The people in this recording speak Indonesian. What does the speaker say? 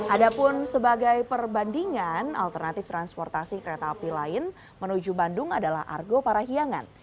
ada pun sebagai perbandingan alternatif transportasi kereta api lain menuju bandung adalah argo parahiangan